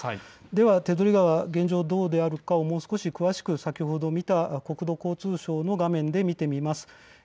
では手取川、現状どうであるか詳しく先ほど見た国土交通省の画面で見てみます。